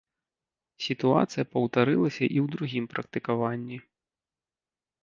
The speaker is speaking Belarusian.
Сітуацыя паўтарылася і ў другім практыкаванні.